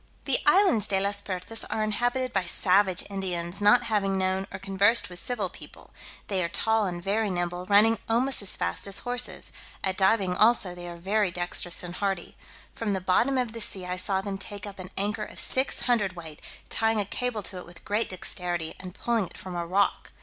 The islands De las Pertas are inhabited by savage Indians, not having known or conversed with civil people: they are tall and very nimble, running almost as fast as horses; at diving also they are very dextrous and hardy. From the bottom of the sea I saw them take up an anchor of six hundredweight, tying a cable to it with great dexterity, and pulling it from a rock.